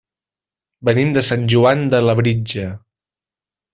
Venim de Sant Joan de Labritja.